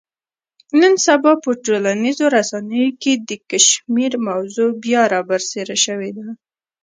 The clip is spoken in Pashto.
نن سبا په ټولنیزو رسنیو کې د کشمیر موضوع بیا را برسېره شوې ده.